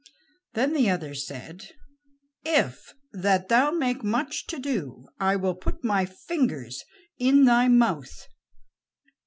Then the other said: "If that thou make much to do, I will put my fingers in thy mouth."